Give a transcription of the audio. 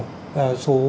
đúng không ạ